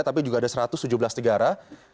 tapi juga ada satu ratus tujuh belas negara